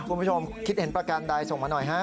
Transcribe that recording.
คุณผู้ชมคิดเห็นประการใดส่งมาหน่อยฮะ